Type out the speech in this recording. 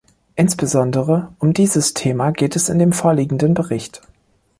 Insbesondere um dieses Thema geht es in dem vorliegenden Bericht.